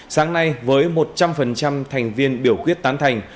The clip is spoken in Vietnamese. sáng nay với một trăm linh thành viên biểu quyết tán thành